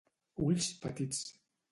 Ulls petits.